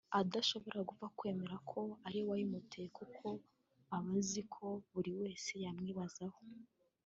adashobora gupfa kwemera ko ari we wayimuteye kuko uba uzi ko buri wese yamwibazaho